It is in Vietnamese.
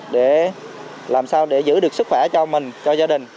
để làm sao để giữ được sức khỏe cho mình cho gia đình